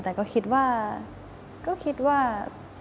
แต่ก็คิดว่าก็คิดว่า